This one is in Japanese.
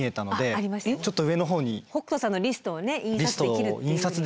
北斗さんのリストをね印刷できる。